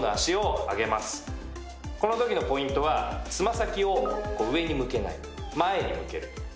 このときのポイントは爪先を上に向けない前に向ける。